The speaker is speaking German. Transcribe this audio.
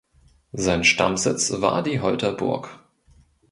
Sein Stammsitz war die Holter Burg.